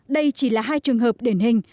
đây chỉ là hai trường hợp điển hình